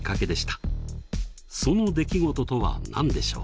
その出来事とは何でしょう？